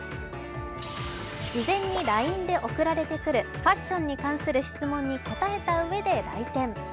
事前にＬＩＮＥで送られてくるファッションに関する質問に答えたうえで来店。